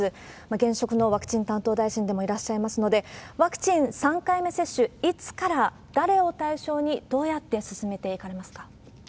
現職のワクチン担当大臣でもいらっしゃいますので、ワクチン３回目接種、いつから、誰を対象に、どうやって進めていかれますか？